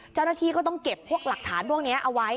เจ้าหน้าที่ก็ต้องเก็บพวกหลักฐานพวกนี้เอาไว้